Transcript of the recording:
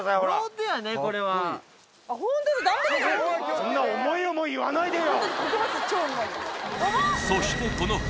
そんな、重い、重い、言わないでよ。